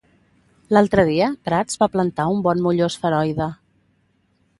L'altre dia, Prats va plantar un bon molló esferoide.